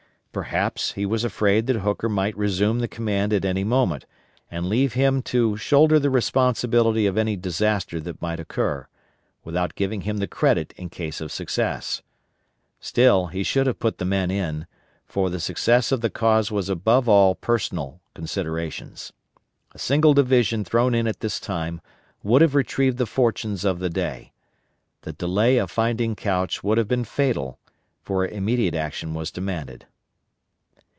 Perhaps he was afraid that Hooker might resume the command at any moment and leave him to shoulder the responsibility of any disaster that might occur, without giving him the credit in case of success. Still he should have put the men in, for the success of the cause was above all personal considerations. A single division thrown in at this time would have retrieved the fortunes of the day. The delay of finding Couch would have been fatal; for immediate action was demanded.